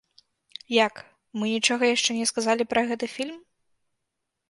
Як, мы нічога яшчэ не сказалі пра гэты фільм?